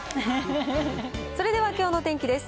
それではきょうの天気です。